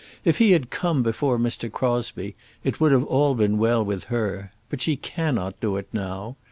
If he had come before Mr. Crosbie it would have all been well with her. But she cannot do it now.